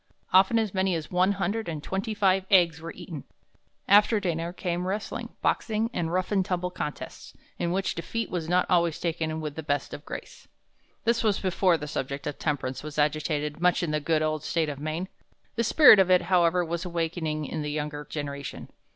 Often as many as one hundred and twenty five eggs were eaten. After dinner came wrestling, boxing, and rough and tumble contests, in which defeat was not always taken with the best of grace. "This was before the subject of temperance was agitated much in the good old State of Maine. The spirit of it, however, was awakening in the younger generation.